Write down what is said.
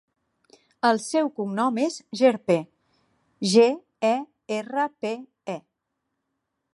El seu cognom és Gerpe: ge, e, erra, pe, e.